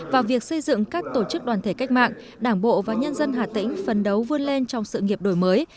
vào việc xây dựng các tổ chức đoàn thể cách mạng đảng bộ và nhân dân hà tĩnh phấn đấu vươn lên trong sự nghiệp đổi mới